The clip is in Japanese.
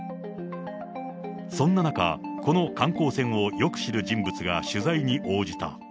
そんな中、この観光船をよく知る人物が取材に応じた。